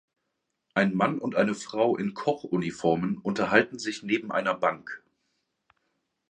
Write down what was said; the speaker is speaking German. Ein Mann und eine Frau in Kochuniformen unterhalten sich neben einer Bank.